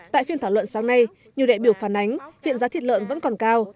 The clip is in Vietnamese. tại phiên thảo luận sáng nay nhiều đại biểu phản ánh hiện giá thịt lợn vẫn còn cao